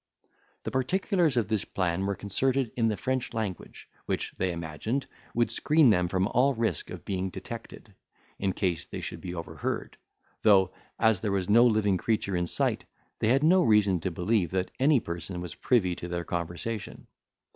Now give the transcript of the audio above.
The particulars of this plan were concerted in the French language, which, they imagined, would screen them from all risk of being detected, in case they should be overheard, though, as there was no living creature in sight, they had no reason to believe that any person was privy to their conversation.